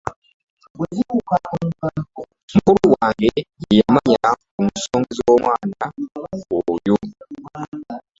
Mukulu wange ye yamanya ku nsonga z'omwana oyo.